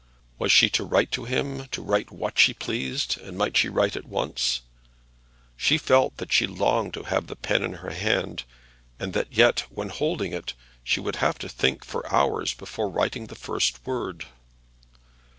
Was she to write to him, to write what she pleased; and might she write at once? She felt that she longed to have the pen in her hand, and that yet, when holding it, she would have to think for hours before writing the first word.